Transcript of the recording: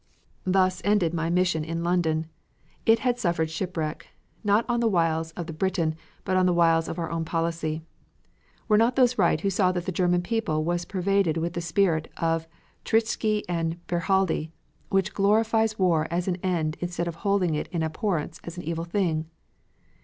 Thus ended my mission in London. It had suffered shipwreck, not on the wiles of the Briton but on the wiles of our own policy. Were not those right who saw that the German people was pervaded with the spirit of Treitschke and Bernhardi, which glorifies war as an end instead of holding it in abhorrence as an evil thing?